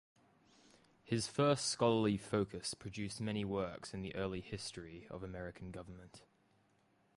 His first scholarly focus produced many works in the early history of American government.